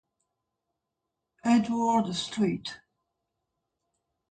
Edward St.